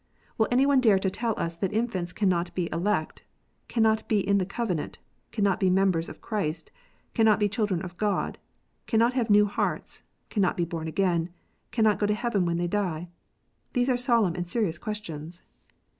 Will any one dare to tell us that infants cannot be elect, cannot be in the covenant, cannot be members of Christ, cannot be children of God, cannot have new hearts, cannot be bom again, cannot go to heaven when they die 1 These are solemn and serious questions.